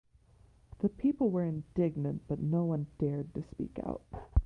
The people were indignant but no one dared to speak out.